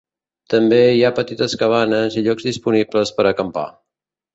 També hi ha petites cabanes i llocs disponibles per a acampar.